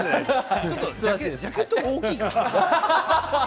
ジャケットが大きいからかな。